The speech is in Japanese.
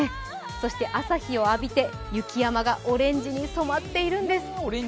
そして朝日を浴びて雪山がオレンジに染まっているんです。